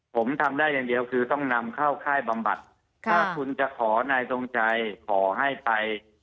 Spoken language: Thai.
ผมทำได้อย่างเดียวคือต้องนำเข้าค่ายบำบัดถ้าคุณจะขอนายทรงชัยขอให้ไป